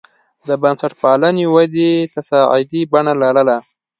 د بنسټپالنې ودې تصاعدي بڼه لرله.